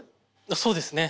そうですね。